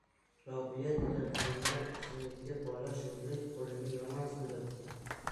Robiya! - dedim sekin. - Bola sho‘rlik qo‘lini yomon sindiribdi.